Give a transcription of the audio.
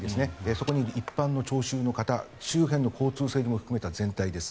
そこに一般の聴衆の方周辺の交通整理も含めた全体です。